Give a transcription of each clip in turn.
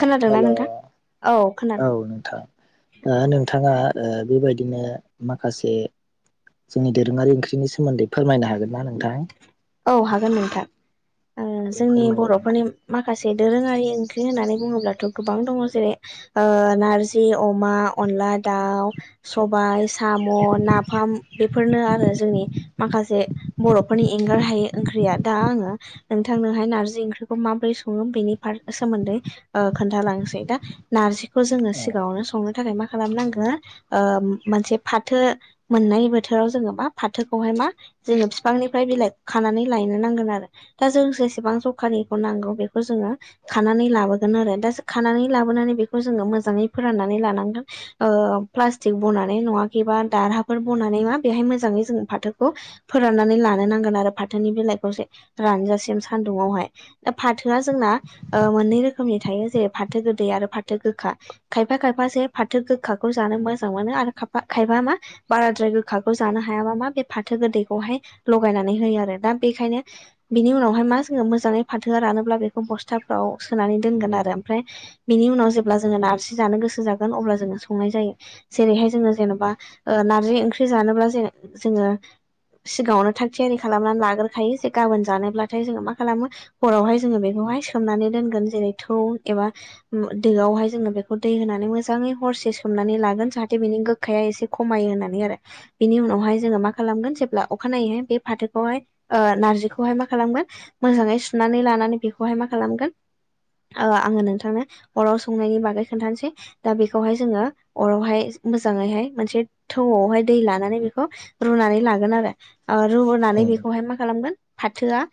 खोनादोंना हेलौ नोंथां औ औ खोनादों नोंथां नोंथाङा ओ बेबायदिनो माखासे जोंनि दोरोंशङारि ओंख्रिनि सोमोन्दै फोरमायनो हागोन ना नोंथां? औ हागोन नोंथां दे जोंनि फोरमायदो बर'फोरनि नोंथां माखासे दोरोङारि दाउ सबाय साम' नाफाम बेफोरनो आरो जोंनि माखासे बर'फोरनि‌ एं एंगार हायो ओंख्रिया दा आंङो नोंथां ननोहाय नारजि ओंख्रिखौ माबोरै संङो बेनि फार सोमोन्दै ओ खोन्थालांनोसै दा नारजिखौ जोंङो औ सिगांङावनो संनो थाखाय खालामनांगो ओ मोनसे फाथो मोननाय बोथोराव जोंङो मा फाथोखौाय मा जोंङो बिफांनिफ्राय बिलाइ खानानै लायनो नांगोन आरो दा जों जेसेबां जोखानिखौ नांगौ बेखौ जोंङो खानानै लाबो नांगोन आरो दासो खानानै लाबोनानै बेखौ जोंओ मोजांयै फोरानना लानांगोन ओ फ्लासतिक बना नै दारहाफोर बनानै म बेहाय मोजांङै जों फाथोखौ फोराननानै लानो नांगोन आरो फाथोनि बेलाइखौ रानजासिम सानदुङावहाय दा फाथोया जोंना ओ मोननै रोखोमनि थायो जे फाथो गोदै आरो फाथो गोखा खायफा खायफासे फाथो गोखाखौ जानो मोजां मोनो आरो खाइफा खाइफा मा बाराद्राय गोखाखौ जानो हायाबा मा बे फाथो गोदैखौहाय लगायनानै होयो आरो दा बेखायनो बिनि उनावहाय मा जोङो मोजाङै फाथोया रानोब्ला बेखौ बसथाफ्राव सोनानै दोनगोन ओमफ्राय बिनि उनाव जेब्ला जोङो नारजि जानो गोसो जागोन अब्ला जोङो संनाय जायो जेरैहाय जोङो जेनेबा ओ नारजि ओंख्रि जानोब जोङो सिगाङावनो थाग थियारि खालामनानै लाग्रखायो जे गाबोन जानोब्लाथाय जोङो मा खालामो हरावहाय जोङो बेखौहाय सोमनानै दोनगोन जेर थौ एबा दोयावहाय जोङो बेखौ दै होनानै मोजाङै हरसे सोमनानै लागोन जाहाथे बेनि गोखाया एसे खमायो होननानै आरो बेनि उनावहाय जोङो मा खालामगोन जेब्ला अखानायैहाय बे फाथोखौ बखौहाय ओ नारजिखौहाय मा खालामगोन मोजाङै सुनानै लानानै बेखौहाय मा खालामगोन ओ आङो नोंथांनो अराव संनायनि बागै खोनथानोसै दा बेखौहाय जोङो अरावहाय मोजांओइहाय मोनसे थौवावहाय दै लानानै बेखौ रुनानै लागोन आरो ओ रुनानै उम बेखौहाय मा खालामगोन फाथोया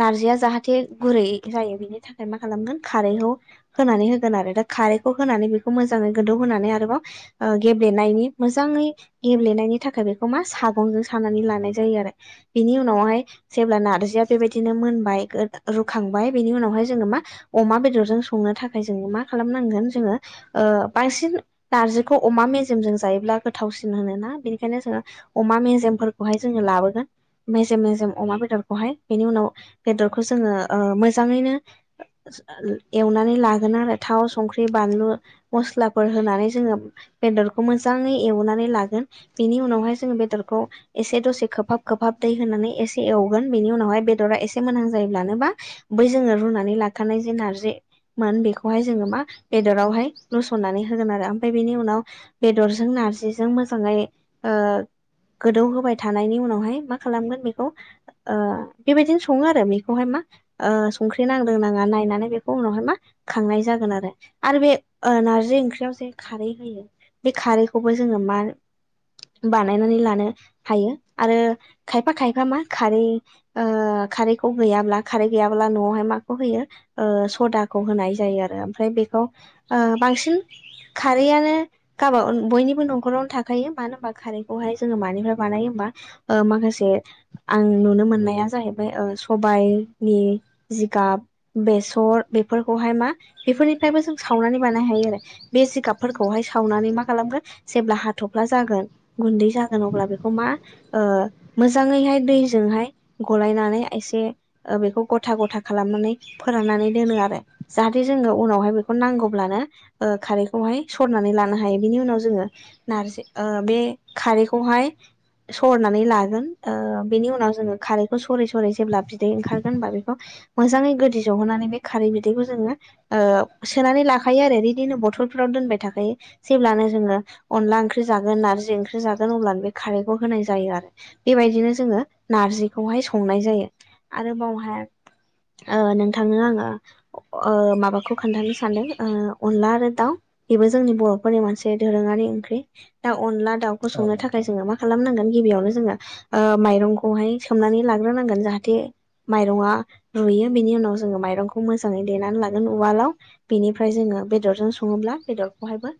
नारजिया जाहाथे गुरै जायो बेनि थाखाय मा खालामगोन खारैखौ होनानै होगोन आरो दा खारैखौ होनानै बेखौ मोजाङै गोदौ होनोनानै आरोबाव ओ गेब्लेनायनि मोजाङै गेब्लेनाय नि थाखाय बेखौ मा सागंजों सानानै लानाय जायो आरो बिनि उनावहाय जेब्ला नारजिया बेबायदिनो मोनबाय रुखांबाय बिनि उनावहाय जोङो मा अमा बेदरजों संनो थाखाय जों मा खालामनांगोन जोङो ओ बांसिन नारजिखौ अमा मेजेमजों जायोब्ला गोथावसिन होन ना बेनिखायनो जोङो अमा मेजेमफोरखौहाय जोङो लाबोगोन मेजेम मेजेम अमा बेदरखौहाय बेनि उनाव बेदरखौ जोङो ओ मोजाङैनो एवनानै लागोन आरो थाव संख्रि बानलु मस्लाफोर होनानै जोङो बेदर खौ मोजाङै एवनानै लागोन बेनि उनावहाय जोङो बेदरखौ एसे दसे खोबहाब खोबहाब दै होनानै एसे एवगोन बेनि उनावहाय बेदरा एसे मोजां जायोब्लानोबा बै जोङो रुनानै लाखानाय जि नारजि मोन बेखौहाय जोङो मा बेदरावहाय लुसननानै होगोन आरो ओमफ्राय बेनि उनाव बेदरजों ना रजिजों मोजाङै ओ गोदौ होबाय थानायनि उनावहाय मा खालामगोन बेखौ ओ बेबायदिनो सङो आरो बेखौहाय मा संख्रि नांलदों नाङा नाय नानै बेखौ उनावहाय मा खांनाय जागोन आरो आरो बे ओ नारजि ओंख्रियाव जे खारै होयो बे खारैखौबो जोङो मा बानायनानै लानो हायो आरो खायफा खायफा मा ओ खारै खारैखौ गैयाब्ला खारै गैयाब्ला न'यावहाय माखौ होयो ओ स'दाखौ होनाय जायो आरो ओमफ्राय बेखौ ओ बांसिन खारैयानो गाबा बयनिबो न'खरावनो थाखायो मानो होनबा खारैखौहाय जोङो मानिफ्राय बानाय होमबा ओ माखासे आं नुनो मोननाया जाहैबाय ओ सबायनि जिगाब बे सर बेफोरखौहाय मा बेफोरनिफ्रायबो जों सावनानै बानाय हायो आरो बे जिगाबफोरखौहाय सावना नै मा खालामगोन जेब्ला हाथ'फ्ला जागोन गुनदै जागोन अब्ला बेखौ मा ओ मोजाङैहाय दैजोंहाय गलायनानै एसे बेखौ ग'था ग'था खालामनानै फो राननानै दोनो आरो जाहाथे जोङो उनावहाय बेखौ नांगौब्लानो ओ खारखौहाय सरनानै लानो हा यो बिनि उनाव जोङो नारजि ओ बे खारैखौहाय सरनानै लागोन ओ बिनि उनाव जोङो खारैखौ सरै सरै जेब्ला बिदै ओंखारगोन बा बेखौ मोजाङै गोदि ज'होना नानै बे खारै बिदैखौ जोङो ओ सोनानै लाायो आरो बिदिनो बथलफोराव दोनबाय थाखायो जेब्लानो जोङो अनला ओंख्रि जागोन नारजि ओंख्रि जागोन अब्लानो बे खारैखौ होनाय जायो आरो बेबायदिनो जोङो नारजिखौहाय संनाय जायो आरो बावहाय ओ नोंथांङो आङो अ ओ माबाखौ खोनथानो सानदों ओ अनला आरो दाउ। बेबो जोंनि बर'फोरनि मोनसे दोरोङारि ओंख्रि दा अनला दाउखौ औ संनो थाखाय नोंथां जोङो मा खालामनांगोन गिबियावनो जोङो ओ माइरंखौहाय सोमनानै लाग्रोनांगोन जाहाथे माइरङा रुयो बेनि उनाव जोङो माइरंखौ मोजाङै देनानै लागोन उवालाव बेनिफ्राय जोङो बेरजों सङोब्ला बेदरखौहायबो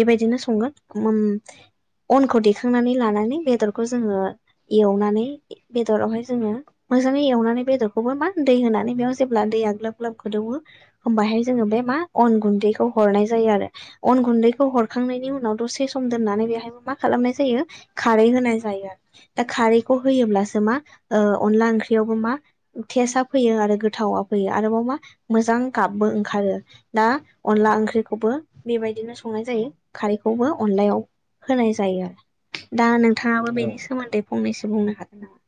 बेबायदिनो संगोन [unintelligible] अनखौ दैखांनानै लानानै बेदरखौ जोङो एवनानै बेदरावहाय जोङो मोजाङै एवनानै बेदरखौबो मा दै होनानै बेयाव जेब्ला दैया ग्लाब ग्लाब गोदौवो होमबाहाय जोङो बे मा अन गुनदैखौ हनाय जायो आरो अन गुन दैखौ हरखांनायनि उनाव दसे सम दोननानै बेहायबो मा खालामनाय जायो खारै होनाय जायो आरो। दा खारैखौ होयोब्लासो मा अनला ओंख्रियावबो मा टेसआ फैयो आरो गोथावा फैयो आरोबाव मा मोजां गाबबो ओंखारो दा अनला ओंख्रिखौबो बेबायदिनो सं नाय जायो खारैखौबो अनलायाव होनाय जायो दा नों थाङाबो औ बेनि नोंथां सोमोन्दै फंनैसो बुंनो हागोन नामा?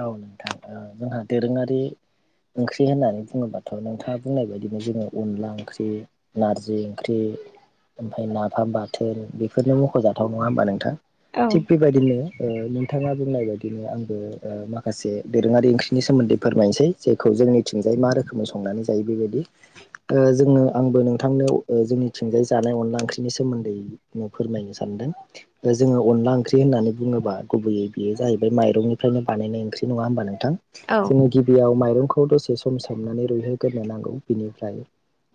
औ नोंथां ओ जोंहा दोरोङारि ओंख्रि होननानै बुङोबा थ' नोंथाङा बुंनाय बायदिनो जोङो अनला ओंख्रि, नारजि ओंख्रि ओमफाय नाफाम बाथोन बेफोरनो मख'जाथाव। नङा होमबा नोंथां? औ थिग बेबायदिनो ओ नोंथाङा बुंनाय बायदिनो आंबो ओ माखासे दोरोङारि ओंख्रिनि सोमोन्दै फोरमायनोसै जेखौ जोंनिथिंजाय मा रोखोमै संनानै जायो बेबायदि। [inaudible] ओ जोंनो आंबो नोंथांनोव ओ जोंनिथिंजाय जानाय अनला ओंख्रिनि सोमोन्दै मु फोरमायनो सान दों ओ जोङो अनला ओंख्रि होननानै बुङोबा गुबैयै बेयो जाहैबाय माइरंनि फ्रायनो बानायनाय ओंख्रि नङा होमबा नोंथां औ जोंनि गिबियाव माइ रंखौ दसे सम सोमनानै रुइहोगोरनो नांगौ बिनिफ्राय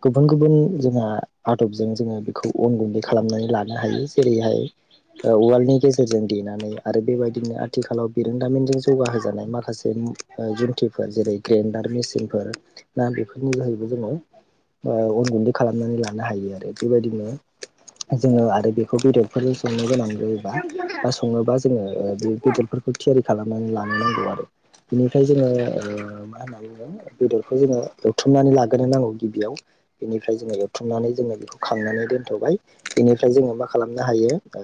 गुबुन गुबुन जोंहा आदबजों जोङो बेखौ अन गुन्दै खालामनानै लानो हायो जेरैहाय ओ उवालनि गेजेरजों देनानै आरो बेबायदिनो आथिखालाव बे रोंदामिन जों जौगा होजानाय माखासे मो ओ जुन्थि जेरै ग्रेन्दार मेसिन फोर ना बे बेफोरनि जोहैबो जोङो ओ अन गुन्दै खालामनानै लानो हायो आरो। बेबायदिनो जोङो आरो बेखौ बेदरफोरजों संनो गोनां जायोबा बा सङोबा जोङो ओ बे बेदरफोर खौ थियारि खालामनानै लानो नांगौ आरो। बिनिफ्राय जोङो ओ मा होनना बुङो बेदरखौ जोङो एवथुमनानै लाग्रोनो नांगौ गिबियाव। बेनिफ्राय जोङो एवथुमनानै जोङो बेखौ खांनानै दोनथ'बाय बेनिफ्राय जोङो मा खालामनो हायो ओ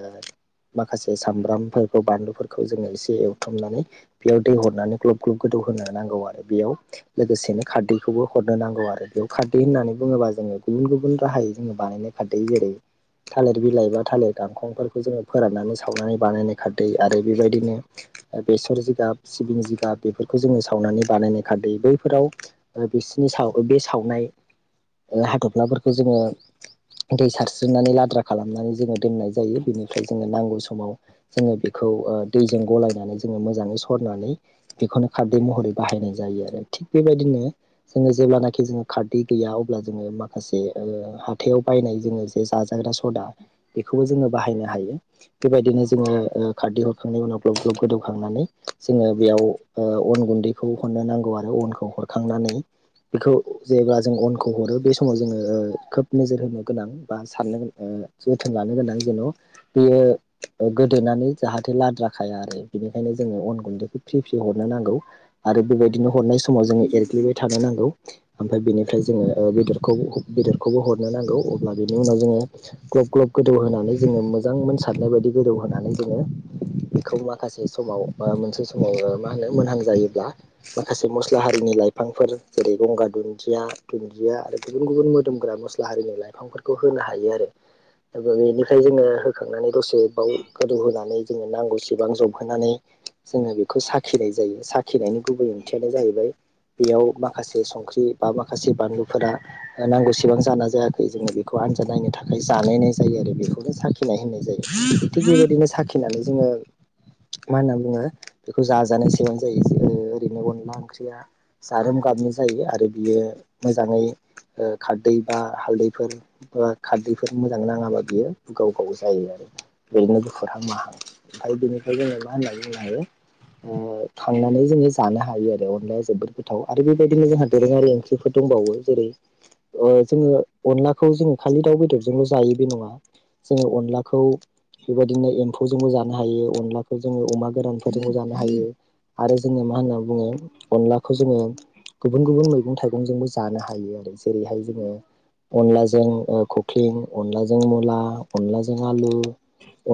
माखासे सामब्रामफोरखौ बानलुफोरखौ जोङो एसे एवथुनानै बेयाव दै हरनानै ग्लब ग्लब गोदौ होनो नांगौ आरो बेयाव लोगोसेनो खारदै खौबो हरनो नांगौ आरो बेयाव खारदै होननानै बुङोबा जोङो गुबुन गुबुन राहायै जोङो बानायनाय खारदै। जेरै- थालिर बिलाइ बा थालिर गांखंफोरखौ जोङो फोराननानै सावनानै बानायनाय खारदै आरो बेबायदिनो ओ बेसर जिगाब सिबिं जिगाब बेफोरखौ जोङो सावनानै बानायनाय खादै बैफोराव ओ बिसनि साव ओ बे सावनाय ओ हाथफ्लाफोरखौ जोङो दै सारस्रिनानै लाद्रा खालामनानै जोङो दोननाय जायो बेनिफ्राय जोङो नांगौ समाव जोङो बेखौ खौ ओ दै जों गलायनानै जोङो मोजाङै सरनानै बेखौनो खारदै महरै बाहायनाय जायो आरो‌। थिग बेबायदिनो जोङो जेब्लानाखि जोङो खारदै गैया अब्ला जोङो माखासे ओ हाथायाव बायनाय जोङो जे जाजाग्रा सदा बेखौबो जोङो बाहायनो हायो बेबायदिनो जोङो ओ खारदै हरखांनायनि उनाव ग्लब ग्लब गोदौखांनानै जोङो बेयाव ओ अन गुन्दैखौ हरनो नांगौ आरो अनखौ हरखांना नै बेखौ जेब्ला जों अनखौ हरो बे समाव जोङो ओ खोब नोजोर होनो गोनां बा साननो ओ ओ जोथोन लानो गोनां जेन' बेयो ओ गोदेनानै जाहाथे लाद्रा खाया आरो बेनिखायनो जोङो अन गुन्दैखौ फ्रि फ्रि हरनो नांगौ आरो बेबायदिनो हरनाय समाव जोङो एर ग्लिबाय थानो नांगौ ओमफ्राय बेनिफ्राय जोङो ओ बेदरखौ बेदरखौबो हरनो नांगौ अब्ला बेनि उनाव जोङो ग्लब ग्लब गोदौ होनानै जोङो मोजां मोनसारनाय बायदि गोदौ होनानै जोङो बेखौ माखासे समाव ओ मोनसे ओ समाव मा होनो मोनहां जायोब्ला माखासे मस्ला हारिनि लाइ लाइफांफोर जेरै गंगार दुन्दिया, दुन्दिया आरो गुबुन गुबुन मोदोमग्रा मस्ला हारिनि लाइफांफोरखौ हो नो हायो आरो बेनिफ्राय जोङो होखांनानै दसे बाव गोदौ होनानै जोङो नांगौ सिबां जबहोनानै जोङो बेखौ साखिनाय जायो साखिनायनि गुबै ओंथियानो जाहैबाय बेयाव माखासे संख्रि बा माखासे बानलुफोरा नांगौसेबां जादोना जायाखै जोङो बेखौ आनजाद नायनो थाखाय जानायनाय जायो आरो बेखौनो साखि नाय होननाय जायो थिग बेबायदिनो साखिनानै जोङो मा होनना बुङो बेखौ जाजानाय सिबानो जायो जोङो ओरैनो अनला ओंख्रिया जारोम गाबनि जायो आरो बियो मोजाङै खारदै बा हालदैफोर बा खारदैफोरनि मोजां नाङाबा बियो बुगाव गाव जायो आरो ओरैनो गुफुरहां माहां आरो बिनिफ्राय जोङो मा होननानै बुंनो हायो ओ खांनानै जोङो जानो हायो आरो अनलाया जोबोद गोथाव आरो बेबायदिनो जोंहा दोरोङारि ओंख्रिफोर दं दंबावो जेरै ओ जोङो अनलाखौ जोङो खालि दाउ बेदरजोंल' जायो बे नङा जोङो अनलाखौ बेबायदिनो एम्फौजोंबो जानो हायो अनलाखौ जोङो अमा गोरानफोरजोंबो जानो हायो। आरो जोङो मा होनना बुङो अनलाखौ जोङो गुबुन गुबुन मैगं थाइगंजोंबो जानो हायो आरो जेरैहाय जोङो अनलाजों खख्लिं अनलाजों मुला अनलाजों आलु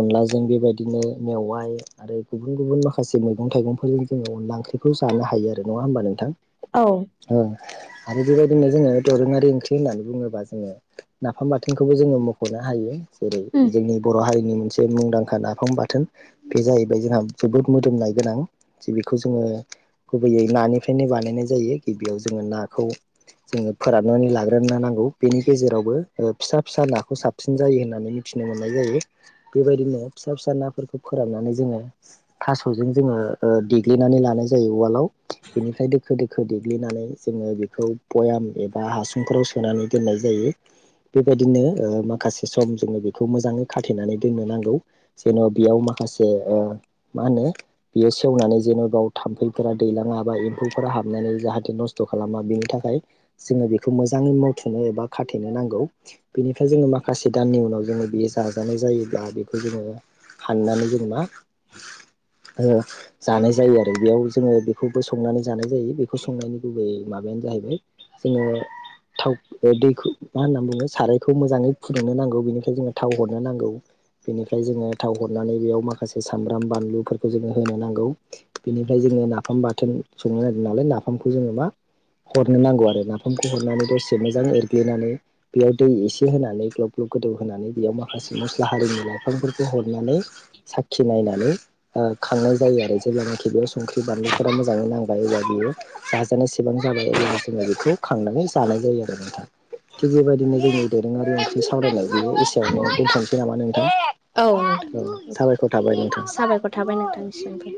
अनलाजों बेबायदि बिदिनो मेवाइ आरो गुबुन गुबुन माखासे मैगं थाइगंफोरजों जोङो अनला ओंख्रिखौ जानो हायो आरो नङा नङा होमबा नोंथां? औ ओ आरो बेबायदिनो जोङो दोरोङारि ओंख्रि होननानै बुङोब्ला जोङो नाफाम बाथोनखौबो जोङो मख'नो हायो। जेरै जोंनि बर' हारिनि मोनसे मुंदांखा ना फाम बाथोन बे जाहैबाय जोंहा जोबोद मोदोमनाय गोनां जे बेखौ जोङो गुबैयै नानिफ्रायनो बानायनाय जायो गिबियाव जोङो नाखौ जोङो फोराननानै लाग्रोना नांगौ बेनि गेजेरावबो फिसा फिसा नाखौ साबसिन जायो होननानै मिथि नो मोननाय जायो बेबायदिनो फिसा फिसा नाफोरखौ फोराननानै जोङो थास'जों जोङो देग्लिनानै ओ लानाय ज जायो उवालाव बेनिफ्राय दोखो दोखो देग्लिनानै जोङो बेखौ बयाम एबा हासुंफोराव सोनानै दोननाय जायो बे बेबायदिनो ओ माखासे सम जोङो बेखौ मोजाङै खाथेनानै दोननो नांगौ। जेनबा बेयाव माखासे ओ मा होनो बेयो सेवनानै जेनबयाव थाम्फैफोरा दैलाङा एम्फौफोरा हाबनानै जाहाथे नस्थ खालामा बेनि थाखाय जोङो बेखौ मोजाङै मावथुमनो एबा खाथेनो नांगौ बेनिफ्राय जोङो माखासे दाननि उनाव जोङो बेयो जाजानाय जायोब्ला बेखौ जोङो फाननानै जों मा ओ जानाय जायो आरो बेयाव जोङो बेखौबो संनानै जानाय जायो बेखौ संनायनि गुबै माबा नो जाहैबाय जोङो थाव दैखौ मा होनना बुङो सारायखौ मोजाङै फुदुंनो नांगौ बेनिखायनो जोङो थाव हरनो नांगौ। बेनिफ्राय जोङो थाव हरनानै बेयाव माखासे सामब्राम बानलुफोरखौ जोङो होनो नांगौ बेनिफ्राय जोङो नाफाम बाथोन संनो नागिरदों नालाय नाफामखौ जोङो मा हरनो नांगौ आरो नाफामखौ हरनानै दसे मोजां एर ग्लिनानै बेयाव दै एसे होनानै ग्लब ग्लब गोदौ होनानै बेयाव माखासे मस्ला हारिनि लाइफांफोरखौ हरनानै साखि नायनानै खांनाय जायो आरो जेब्लानाखि बेयाव संख्रि बानलुफोरा मोजाङै नांबाय अब्ला बियो जाजानायसेबां जाबाय अब्ला जोङो बेखौ खांनानै जानो नाय जायो आरो थिग बेबायदिनो जोंनि दोरोङारि ओंख्रि सावरायनायखौ एसेयावनो नामा नोंथां औ औ नोंथां दे साबायखर थाबाय नोंथां साबायखर थाबाय नोंथांनिसिमबो।